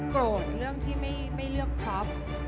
โกรธเรื่องที่ไม่เลือกพล็อป